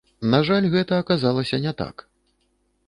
На жаль, гэта аказалася не так.